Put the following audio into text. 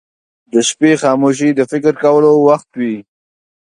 • د شپې خاموشي د فکر کولو وخت وي.